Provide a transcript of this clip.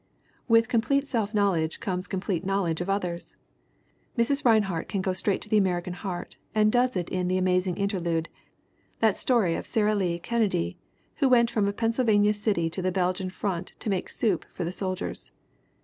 With complete self knowledge comes complete knowledge of others ; Mrs. Rinehart can go straight to the American heart and does it in The Amazing Interlude, that story of Sara Lee Kennedy, who went from a Pennsylvania city to the Belgian front to make soup for the soldiers.